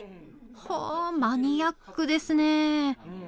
ほぉマニアックですねぇ。